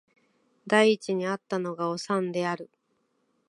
第一に逢ったのがおさんである